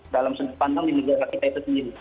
dalam sudut pandang di negara kita itu sendiri